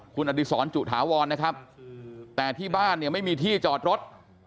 คุณอดีศรจุถาวรนะครับแต่ที่บ้านเนี่ยไม่มีที่จอดรถ